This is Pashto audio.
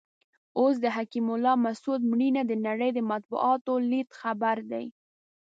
اوس د حکیم الله مسود مړینه د نړۍ د مطبوعاتو لیډ خبر دی.